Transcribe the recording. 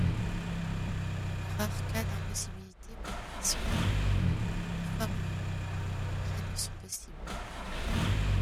Dans les rares cas d'impossibilité pour le patient d'avaler, des formes liquides sont possibles.